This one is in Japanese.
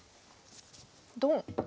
ドン。